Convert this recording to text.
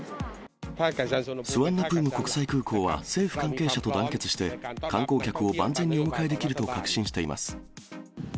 スワンナプーム国際空港は政府関係者と団結して、観光客を万全にお迎えできると確信しています。